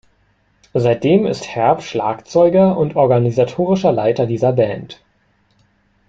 Seitdem ist Herb Schlagzeuger und organisatorischer Leiter dieser Band.